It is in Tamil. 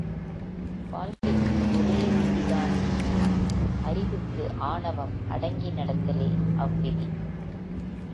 வாழ்க்கைக்கு ஒரே விதிதான் உண்டு அறிவுக்கு ஆணவம் அடங்கி நடத்தலே அவ் விதி.